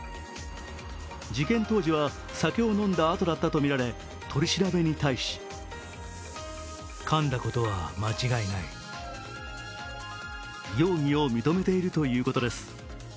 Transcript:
事件当時は酒を飲んだあとだったとみられ、取り調べに対し容疑を認めているということです。